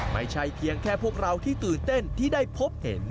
ไม่ใช่เพียงแค่พวกเราที่ตื่นเต้นที่ได้พบเห็น